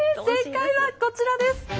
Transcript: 正解はこちらです。